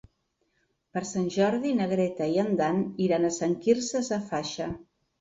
Per Sant Jordi na Greta i en Dan iran a Sant Quirze Safaja.